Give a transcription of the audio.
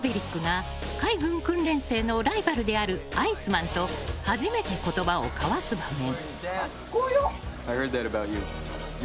トムが演じる主人公マーヴェリックが海軍訓練生のライバルであるアイスマンと初めて言葉を交わす場面。